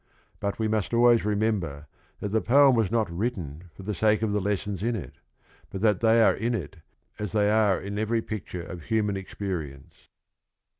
But we must always remember that the poem was not written for the sake of the lessons in it, but that they are in it as they are in every picture of human experience.